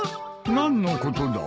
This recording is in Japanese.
何のことだ？